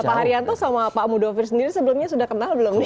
pak haryanto sama pak mudofir sendiri sebelumnya sudah kenal belum nih